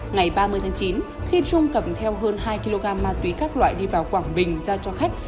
ngày ba mươi tháng chín khi trung cầm theo hơn hai kg ma túy các loại đi vào quảng bình giao cho khách